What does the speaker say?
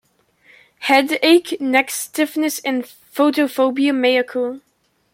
Headache, neck stiffness, and photophobia may occur.